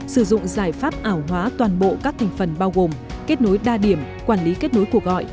sử dụng giải pháp ảo hóa toàn bộ các thành phần bao gồm kết nối đa điểm quản lý kết nối cuộc gọi